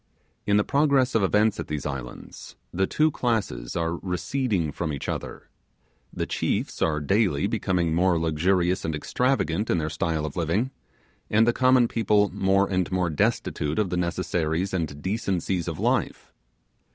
In the progress of events at these islands, the two classes are receding from each other; the chiefs are daily becoming more luxurious and extravagant in their style of living, and the common people more and more destitute of the necessaries and decencies of life.